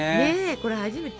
これ初めて。